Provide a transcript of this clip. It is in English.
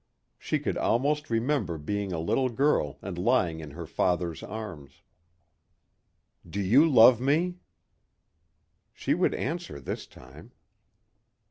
She could almost remember being a little girl and lying in her father's arms. "Do you love me?" She would answer this time.